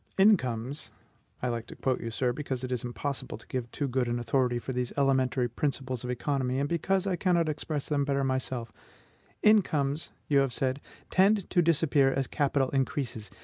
"Incomes" (I like to quote you, sir, because it is impossible to give too good an authority for these elementary principles of economy, and because I cannot express them better myself), "incomes," you have said, "tend to disappear as capital increases.